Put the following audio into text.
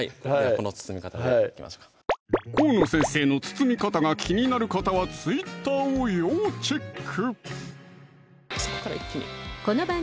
この包み方でいきましょうか河野先生の包み方が気になる方はＴｗｉｔｔｅｒを要チェック！